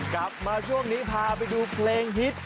กลับมาช่วงนี้พาไปดูเพลงฮิต